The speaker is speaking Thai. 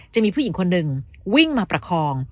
จะมีผู้หญิงคนหนึ่งวิ่งมาประคอง